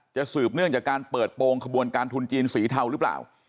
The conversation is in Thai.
สืบเนื่องจากการเปิดโปรงขบวนการทุนจีนสีเทาหรือเปล่า